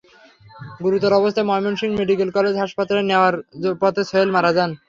গুরুতর অবস্থায় Mymensingh medical college হাসপাতালে নেওয়ার পথে সোহেল মারা যান।